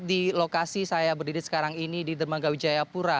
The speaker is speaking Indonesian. di lokasi saya berdiri sekarang ini di dermagawi jayapura